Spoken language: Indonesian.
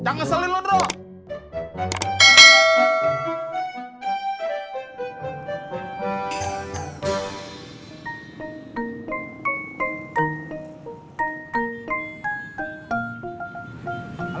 tidak ada yang bisa dihubungi dengan kebenaran